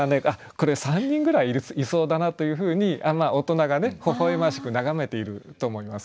これは３人ぐらいいそうだなというふうに大人がねほほ笑ましく眺めていると思います。